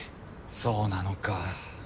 そうなのかぁ。